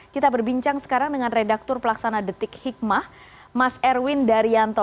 kita berbincang sekarang dengan redaktur pelaksana detik hikmah mas erwin daryanto